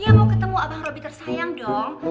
ya mau ketemu abang roby tersayang dong